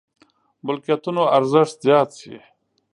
ملکيتونو ارزښت زيات شي.